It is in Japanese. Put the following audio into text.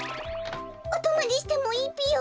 おとまりしてもいいぴよ？